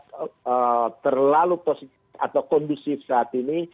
tidak terlalu positif atau kondusif saat ini